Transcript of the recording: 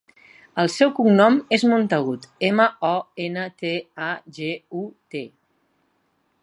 El seu cognom és Montagut: ema, o, ena, te, a, ge, u, te.